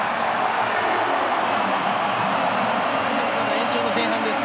延長の前半です。